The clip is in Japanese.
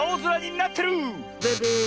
ブブー！